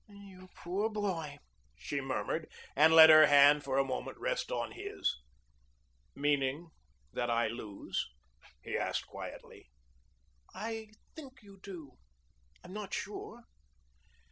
"You poor boy," she murmured, and let her hand for a moment rest on his. "Meaning that I lose?" he asked quickly. "I think you do. I'm not sure."